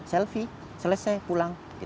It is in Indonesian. selfie selesai pulang